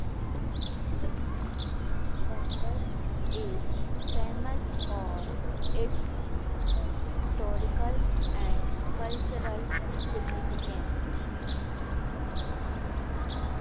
Arbat is famous for its historical and cultural significance.